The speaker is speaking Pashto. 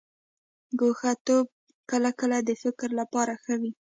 ګوښه توب کله کله د فکر لپاره ښه وي.